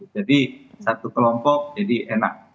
jadi satu kelompok jadi enak